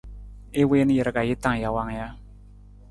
I wiin jir ka ji tang jawang ja?